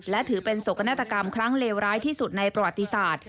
และถือเป็นโศกนาฏกรรมครั้งเลวร้ายที่สุดในประวัติศาสตร์